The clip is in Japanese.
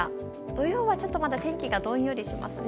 土曜は、ちょっとまだ天気がどんよりしますね。